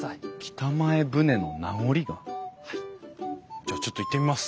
じゃあちょっと行ってみます。